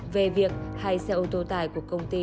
về việc hai xe ô tô tải của công ty